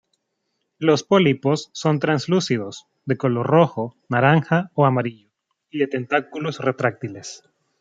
Los pólipos son translúcidos, de color rojo, naranja o amarillo, y de tentáculos retráctiles.